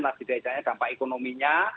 karena itu juga ada dampak ekonominya